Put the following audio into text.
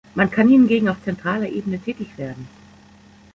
Man kann hingegen auf zentraler Ebene tätig werden.